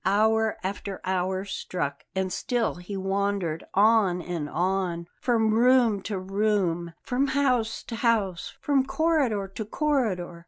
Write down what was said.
Hour after hour struck, and still he wandered on and on, from room to room, from house to house, from corridor to corridor.